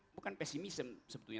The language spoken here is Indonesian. bukan pesimism sebetulnya